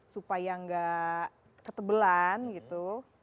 supaya nggak ketebelan gitu